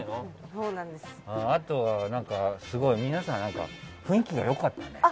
あと、すごい皆さん雰囲気が良かったね。